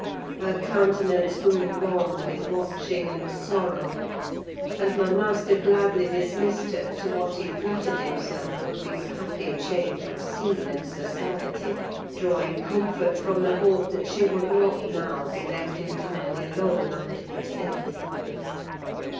Her countenance grew wan with watching and sorrow, and my master gladly dismissed her to what he flattered himself would be a happy change of scene and society; drawing comfort from the hope that she would not now be left entirely alone after his death.